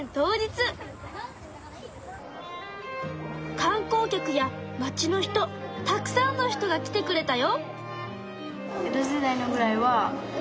観光客や町の人たくさんの人が来てくれたよ。